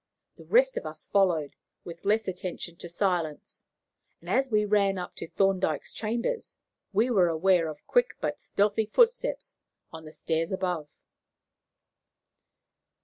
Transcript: The rest of us followed, with less attention to silence, and as we ran up to Thorndyke's chambers, we were aware of quick but stealthy footsteps on the stairs above.